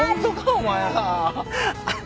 お前ら。